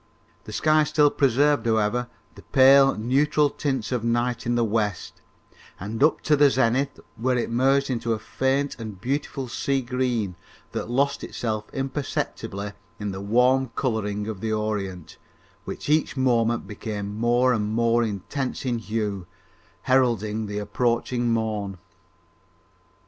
The sky still preserved, however, the pale neutral tints of night in the west, and up to the zenith, where it merged into a faint and beautiful seagreen that lost itself imperceptibly in the warm colouring of the orient, which each moment became more and more intense in hue, heralding the approach of morn.